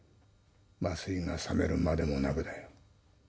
麻酔がさめるまでもなくだ